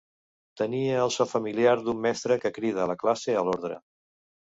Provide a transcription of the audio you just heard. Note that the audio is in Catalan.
Tenia el so familiar d'un mestre que crida la classe a l'ordre.